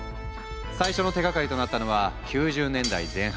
最初の手がかりとなったのは９０年代前半